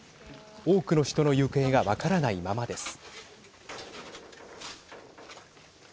多くの人の行方が分からないままです。